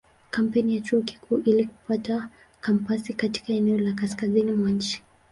Kampeni ya Chuo Kikuu ili kupata kampasi katika eneo la kaskazini mwa nchi.